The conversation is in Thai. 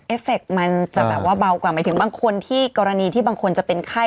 เฟคมันจะแบบว่าเบากว่าหมายถึงบางคนที่กรณีที่บางคนจะเป็นไข้